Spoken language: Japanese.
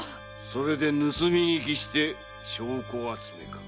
⁉それで盗み聞きして証拠集めか。